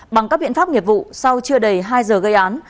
bằng các biện pháp nghiệp vụ sau chưa đầy hai giờ gây án